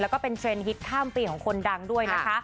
แล้วก็เป็นเทรนดฮิตข้ามปีของคนดังด้วยนะคะ